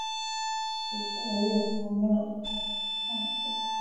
只设有月台而没有站舍。